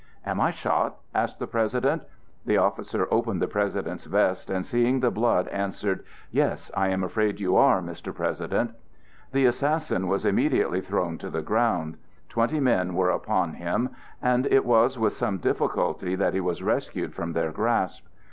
"Am I shot?" asked the President. The officer opened the President's vest, and seeing the blood, answered: "Yes, I am afraid you are, Mr. President." The assassin was immediately thrown to the ground. Twenty men were upon him, and it was with some difficulty that he was rescued from their grasp.